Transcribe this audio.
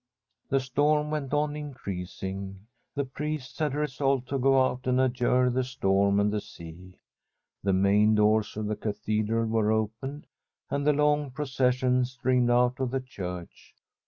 The storm went on increasing. The priests had resolved to go out and adjure the storm and the sea. The main doors of the cathedral were opened, and the tong procession streamed out of the church.